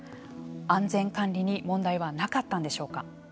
安全管理に問題はなかったんでしょうか。